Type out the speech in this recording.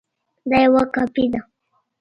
دا یوه کاپي ده